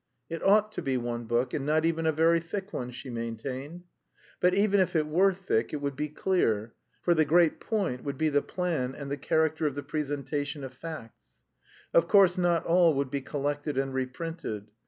"It ought to be one book, and not even a very thick one," she maintained. But even if it were thick it would be clear, for the great point would be the plan and the character of the presentation of facts. Of course not all would be collected and reprinted.